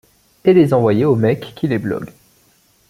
Et les envoyer au mec qui les blogue.